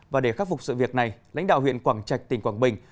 và để khắc phục sự việc này lãnh đạo huyện quảng trạch tỉnh quảng bình